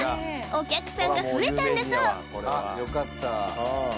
お客さんが増えたんだそう